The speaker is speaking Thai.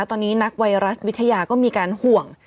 ตอนนี้นักไวรัสวิทยาก็มีการห่วง